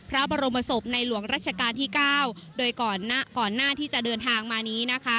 โรงประสบในหลวงรัชกาลที่๙โดยก่อนหน้าที่จะเดินทางมานี้นะคะ